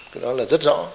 cái đó là rất rõ